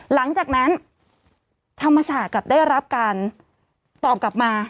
หลังจากนั้นธรรมศาสตร์กลับได้รับการตอบกลับมา